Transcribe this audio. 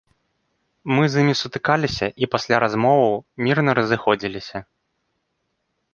Мы з імі сутыкаліся і пасля размоваў мірна разыходзіліся.